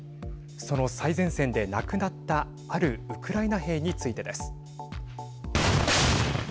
その最前線で亡くなったあるウクライナ兵についてです。